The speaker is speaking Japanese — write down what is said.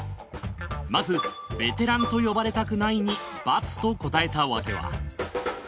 まずベテランと呼ばれたくないにバツと答えたわけは？